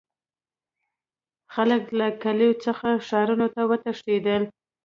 خلک له کلیو څخه ښارونو ته وتښتیدل.